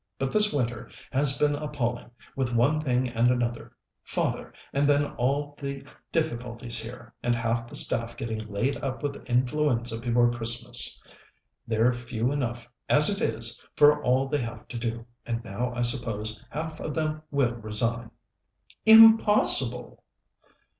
But this winter has been appalling, with one thing and another father, and then all the difficulties here, and half the staff getting laid up with influenza before Christmas. They're few enough, as it is, for all they have to do, and now I suppose half of them will resign." "Impossible!"